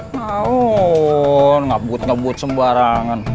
nahun ngabut ngabut sembarangan